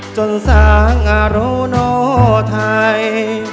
จนสร้างอาโรโนไทย